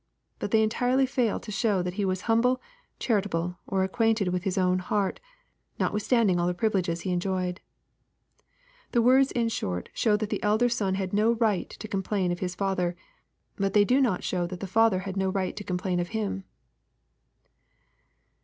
But they entirely fail to show that he was humble, charitable, or acquainted with his own heart, notwithstanding all the privileges he enjoyed. The words in short show that the elder son had no right to complain of his father, but they do not show that the father had no right to complain of uim.